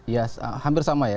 ya hampir sama ya